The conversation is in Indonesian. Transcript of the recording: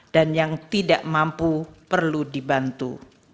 dan yang tidak mampu perlu dibantu